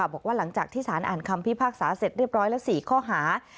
บอกว่าหลังจากที่สารอ่านคำพิพากษาเสร็จเรียบร้อยละ๔ข้อหา